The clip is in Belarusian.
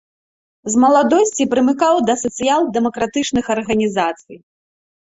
З маладосці прымыкаў да сацыял-дэмакратычных арганізацый.